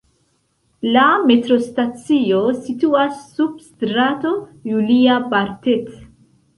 La metrostacio situas sub Strato Julia-Bartet.